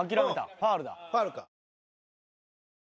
「ファウルか？」